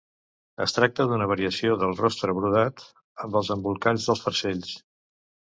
Es tracta d’una variació del rostre brodat en els embolcalls dels farcells.